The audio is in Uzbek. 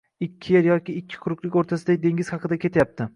ikki yer yoki ikki quruqlik oʻrtasidagi dengiz haqida ketyapti